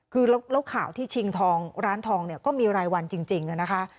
คือแล้วข่าวที่ชิงทองร้านทองเนี่ยก็มีรายวันจริงนะคะ